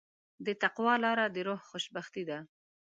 د تقوی لاره د روح خوشبختي ده.